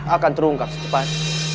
akan terungkap setepat